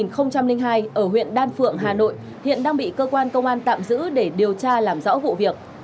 quang tú sinh năm hai nghìn hai ở huyện đan phượng hà nội hiện đang bị cơ quan công an tạm giữ để điều tra làm rõ vụ việc